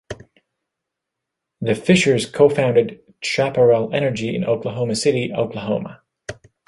The Fischers co-founded Chaparral Energy in Oklahoma City, Oklahoma.